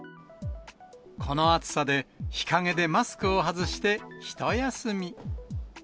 この暑さで、日陰でマスクを外してひと休み。